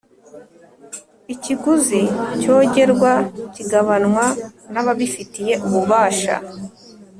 Ikiguzi cyogerwa kigabanwa nababifitiye ububasha